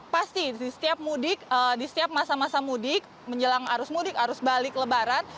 pasti di setiap mudik di setiap masa masa mudik menjelang arus mudik arus balik lebaran